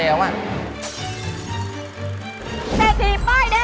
ขอบคุณครับ